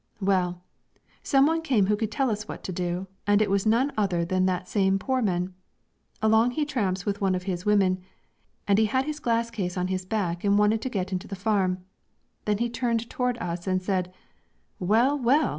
"Well, some one came who could tell us what to do, and it was none other than that same Poorman. Along he tramps with one of his women, and had his glass case on his back and wanted to get into the farm." Then he turned toward us and said: 'Well, well!